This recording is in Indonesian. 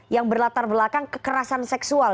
yang berlatar belakang kekerasan seksual